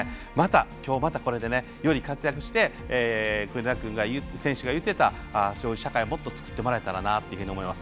今日またより活躍して国枝選手が言っていたそういう社会を、もっと作ってもらえたらなと思います。